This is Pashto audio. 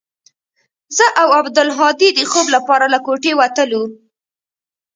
زه او عبدالهادي د خوب لپاره له كوټې وتلو.